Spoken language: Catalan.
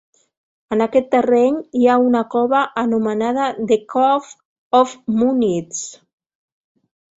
En aquest terreny hi ha una cova anomenada "The Cave of Munits".